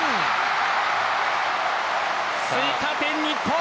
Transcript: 追加点、日本。